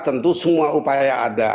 tentu semua upaya ada